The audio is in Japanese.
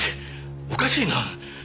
おかしいな。